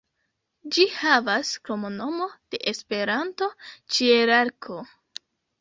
Ĝi havas kromnomo de Esperanto "Ĉielarko".